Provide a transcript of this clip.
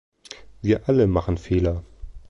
Wir alle machen Fehler.